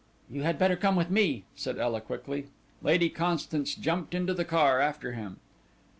"You had better come with me," said Ela quickly. Lady Constance jumped into the car after him.